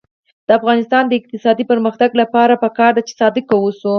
د افغانستان د اقتصادي پرمختګ لپاره پکار ده چې صادق اوسو.